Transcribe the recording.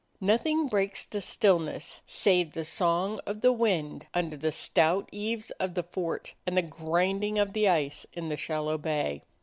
Nothing breaks the stillness save the song of the wind under the stout eaves of the fort and the grinding of the ice in the shallow bay.